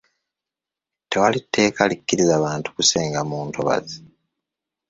Tewali tteeka likkiriza bantu kusenga mu ntobazi.